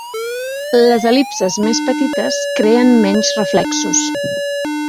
Les el·lipses més petites creen menys reflexos.